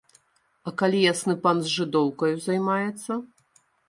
А калі ясны пан з жыдоўкаю займаецца?